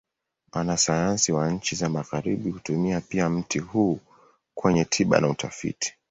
Wanasayansi wa nchi za Magharibi hutumia pia mti huu kwenye tiba na utafiti.